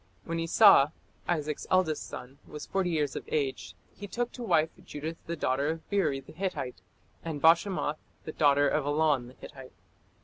When Esau, Isaac's eldest son, was forty years of age, "he took to wife Judith the daughter of Beeri the Hittite, and Bashemath the daughter of Elon the Hittite".